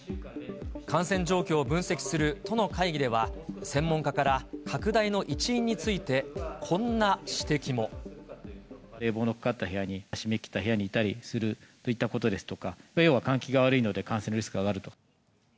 感染状況を分析する都の会議では、専門家から拡大の一因につ冷房のかかった部屋に、閉め切った部屋にいたりするといったことですとか、換気が悪いので感染リスクが上がると。